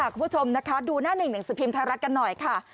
คุณผู้ชมนะคะดูหน้าหนึ่งหนังสือพิมพ์ไทยรัฐกันหน่อยค่ะ